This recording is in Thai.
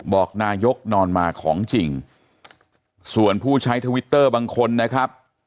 บอกนายกนอนมาของจริงส่วนผู้ใช้ทวิตเตอร์บางคนนะครับ